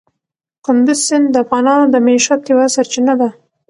کندز سیند د افغانانو د معیشت یوه سرچینه ده.